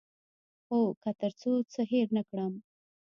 هو، که تر څو څه هیر نه کړم